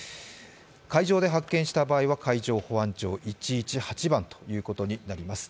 海上で発見した場合は海上保安庁、１１８番となります。